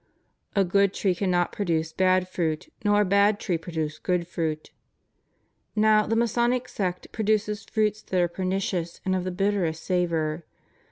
" A good tree cannot produce bad fruit, nor a bad tree produce good fruit." Now, the Ma sonic sect produces fruits that are pernicious and of the bitterest savor.